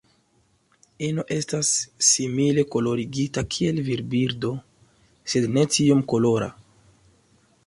Ino estas simile kolorigita kiel virbirdo, sed ne tiom kolora.